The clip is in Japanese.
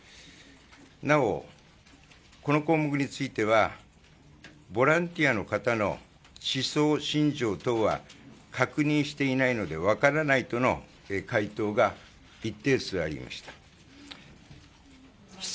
なお、この項目についてはボランティアの方の思想信条等は確認していないので分からないとの回答が一定数ありました。